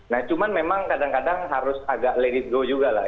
nah cuma memang kadang kadang harus agak let it go juga lah